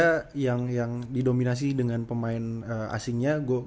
pelita jaya yang didominasi dengan pemain asingnya